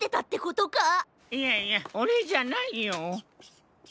いやいやオレじゃないよ。